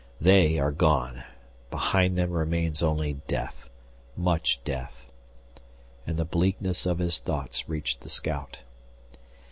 "They are gone. Behind them remains only death much death " And the bleakness of his thoughts reached the scout.